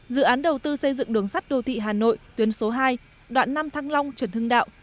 dự án đầu tư xây dựng đường sắt đô thị hà nội tuyến số hai đoạn năm thăng long trần hưng đạo